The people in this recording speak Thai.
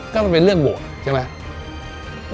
ก็มันเป็นเรื่องโหวตใช่ไหม